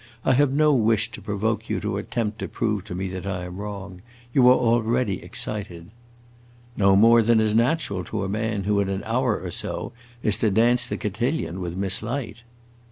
"I have no wish to provoke you to attempt to prove to me that I am wrong. You are already excited." "No more than is natural to a man who in an hour or so is to dance the cotillon with Miss Light."